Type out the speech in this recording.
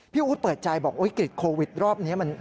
พี่อู๋ธเปิดใจบอกวิกฤตโควิดรอบนี้มัน